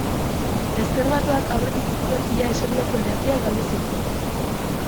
Ezker Batuak aurretik zituen ia eserlekuen erdiak galdu zituen.